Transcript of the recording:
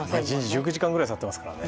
１９時間ぐらい使っていますからね。